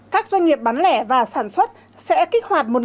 các doanh nghiệp bán lẻ và sản xuất sẽ kích hoạt